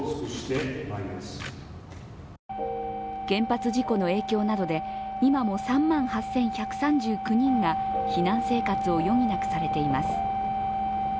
原発事故の影響などで今も３万８１３９人が避難生活を余儀なくされています。